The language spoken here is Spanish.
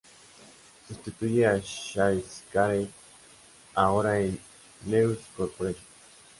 Sustituye a Chase Carey, ahora en News Corporation.